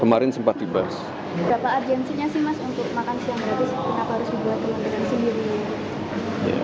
berapa arjensinya sih mas untuk makan siang gratis kenapa harus dibahas kementerian sendiri